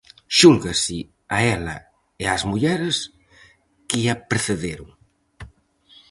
Xúlgase a ela e ás mulleres que a precederon.